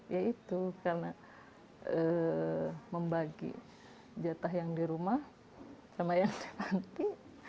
ya itu karena membagi jatah yang di rumah sama yang cantik